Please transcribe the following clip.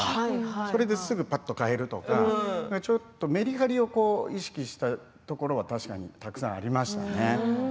それで、すぐぱっと変えるとかめりはりを意識したところは確かに、たくさんありましたね。